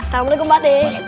assalamualaikum pak deh